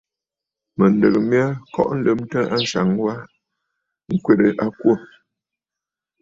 Mɨ̀ndɨgə mya kɔʼɔ lɨmtə ànsaŋ wa ŋkwerə a kwô.